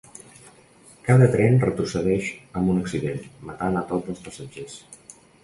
Cada tren retrocedeix amb un accident, matant a tots els passatgers.